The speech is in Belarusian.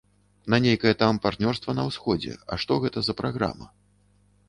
Не нейкае там партнёрства на ўсходзе, а што гэта за праграма.